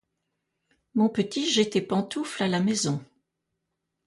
Mon petit, j'ai tes pantoufles à la maison.